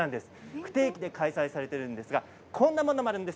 不定期で開催されているんですがこんなものもあるんです。